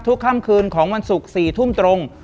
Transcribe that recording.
ค่ำคืนของวันศุกร์๔ทุ่มตรง